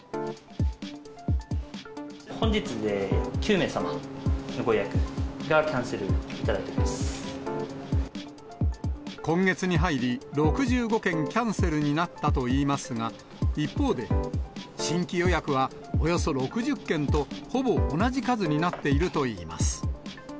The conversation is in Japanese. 本日で９名様のご予約がキャ今月に入り、６５件キャンセルになったといいますが、一方で、新規予約はおよそ６０件と、ほぼ同じ数になっているといいます。